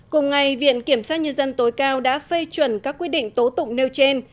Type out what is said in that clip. cùng ngày viện kiểm sát nhân dân tối cao đã phê chuẩn các quyết định tố tụng nêu trên